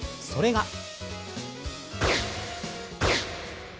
それが。